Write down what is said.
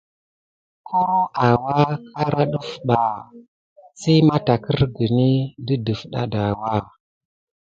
Koro awa dara ɗəf ɓa si matarkirguni de defda adawa.